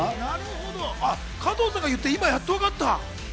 加藤さんが言って今やっとわかった。